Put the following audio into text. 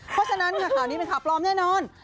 เพราะฉะนั้นค่ะข่าวนี้เป็นข่าวปลอมแน่นอน